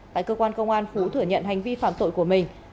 tại cơ quan công an phú thừa nhận hành vi phạm tội của mình